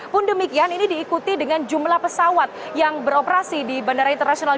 pun demikian ini diikuti dengan jumlah pesawat yang beroperasi di bandara internasional